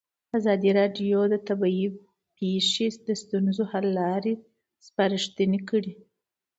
ازادي راډیو د طبیعي پېښې د ستونزو حل لارې سپارښتنې کړي.